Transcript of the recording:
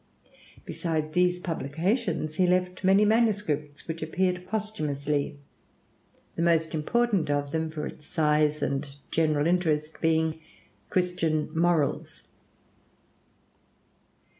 Beside these publications he left many manuscripts which appeared posthumously; the most important of them, for its size and general interest, being 'Christian Morals.'